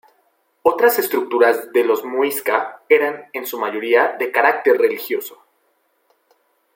Otras estructuras de los Muisca eran en su mayoría de carácter religioso.